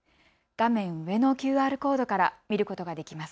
画面上のＱＲコードから見ることができます。